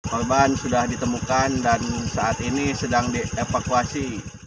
korban sudah ditemukan dan saat ini sedang dievakuasi